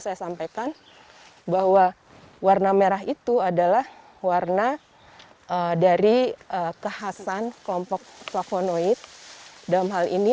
saya sampaikan bahwa warna merah itu adalah warna dari kekhasan kelompok flavonoid dalam hal ini